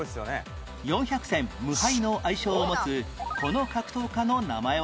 ４００戦無敗の愛称を持つこの格闘家の名前は？